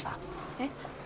えっ？